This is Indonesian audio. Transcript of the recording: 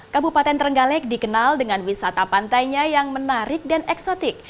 kabupaten trenggalek dikenal dengan wisata pantainya yang menarik dan eksotik